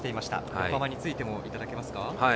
横浜についてもいただけますか？